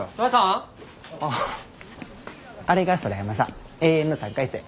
あれが空山さん永遠の３回生。